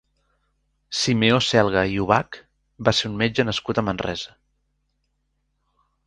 Simeó Selga i Ubach va ser un metge nascut a Manresa.